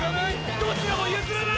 どちらも譲らない！